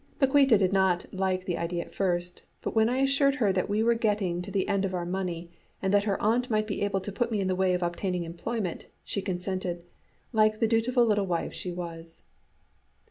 Paquíta did not like the idea at first, but when I assured her that we were getting to the end of our money, and that her aunt might be able to put me in the way of obtaining employment, she consented, like the dutiful little wife she was.